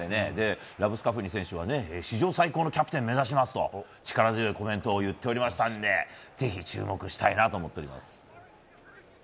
ラブスカフニ選手は史上最高のキャプテンを目指しますと力強いコメントを言っておりましたのでぜひ注目したいなと思ってます。